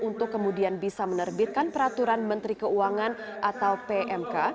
untuk kemudian bisa menerbitkan peraturan menteri keuangan atau pmk